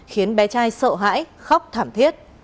khiến bé trai sợ hãi khóc thảm thiết